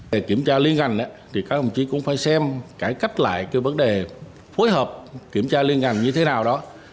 về kiểm tra liên ngành thì các đồng chí cũng phải xem cải cách lại cái vấn đề phối hợp kiểm tra liên ngành như thế nào đó